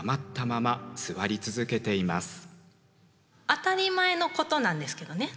当たり前のことなんですけどね